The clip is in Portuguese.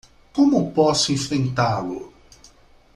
Como posso enfrentá-lo?